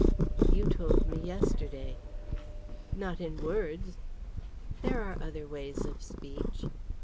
"You told me yesterday." "Not in words." "There are other ways of speech."